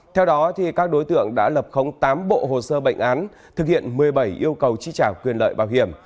theo đó các đối tượng đã lập khống tám bộ hồ sơ bệnh án thực hiện một mươi bảy yêu cầu chi trả quyền lợi bảo hiểm